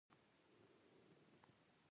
له خدای پاک څخه مي دا دعا ده